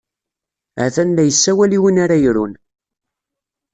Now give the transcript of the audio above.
Ha-t-an la yessawal i win ara irun.